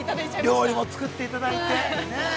◆料理も作っていただいて。